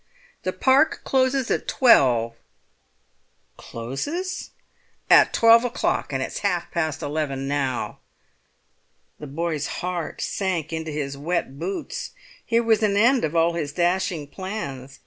"The Park closes at twelve." "Closes?" "At twelve o'clock, and it's half past eleven now." The boy's heart sank into his wet boots. Here was an end of all his dashing plans.